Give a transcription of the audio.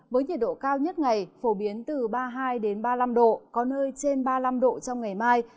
với nhiệt độ cao nhất ngày phổ biến từ ba mươi hai ba mươi năm độ có nơi trên ba mươi năm độ trong ngày mai